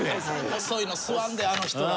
細いの吸わんであの人ら。